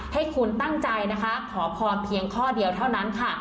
ให้คุณตั้งใจนะคะขอพรเพียงข้อเดียวเท่านั้นค่ะ